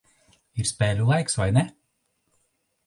Ir spēļu laiks, vai ne?